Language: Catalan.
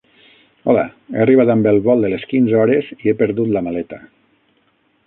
Hola, he arribat amb el vol de les quinze hores i he perdut la maleta.